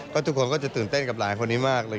ทุกคนก็จะตื่นเต้นกับหลานคนนี้มากเลย